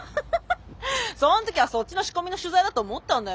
そん時はそっちの仕込みの取材だと思ったんだよ。